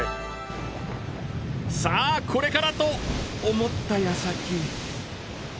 さあこれからと思ったやさき。